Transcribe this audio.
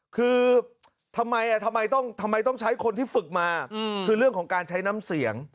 คือทำไมทำไมต้องใช้คนที่ฝึกมาคือเรื่องของการใช้น้ำเสียง